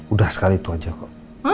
udah sekali itu aja kok